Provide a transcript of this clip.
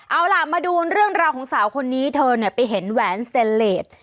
เอาล่ะมาดูเรื่องราวของสาวคนนี้เธอเนี่ยไปเห็นแหวนเซนเลส